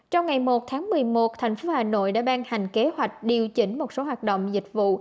trong ngày một tháng một mươi một thành phố hà nội đã ban hành kế hoạch điều chỉnh một số hoạt động dịch vụ